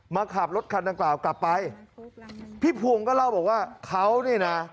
มาขับรถคันดังกล่าวกลับไปพี่พวงก็เล่าบอกว่าเขานี่นะ